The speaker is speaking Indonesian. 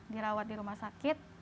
dirawat di rumah sakit